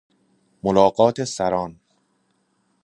ملاقات سران